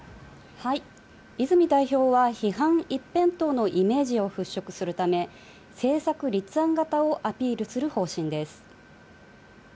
泉代表は批判一辺倒のイメージを払拭するため政策立案型をアピールする方針です。